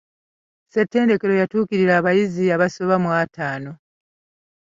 Ssettendekero yakuttikira abayizi abasoba mu ataano.